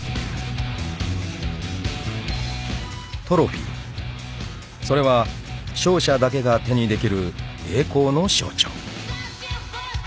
『ＦＬＹＡＧＡＩＮ』［トロフィーそれは勝者だけが手にできる栄光の象徴］